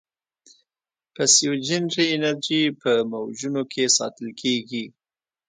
پسیوجنري انرژي په موجونو کې ساتل کېږي.